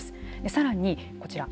さらに、こちら。